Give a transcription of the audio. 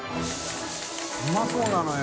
うまそうなのよ